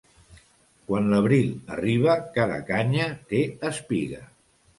Quan l'abril arriba cada canya té espiga.